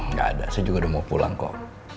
nggak ada saya juga udah mau pulang kok